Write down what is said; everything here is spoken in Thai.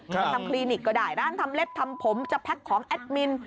จะทำคลินิกก็ได้ร้านทำเล็บทำผมจะแพ็คของแอดมิน